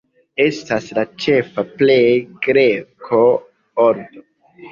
Estas la ĉefa plej greka ordo.